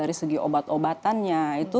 dari segi obat obatannya